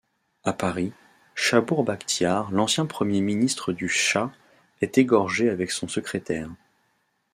À Paris, Chapour Bakhtiar, l'ancien premier-ministre du Shah est égorgé avec son secrétaire.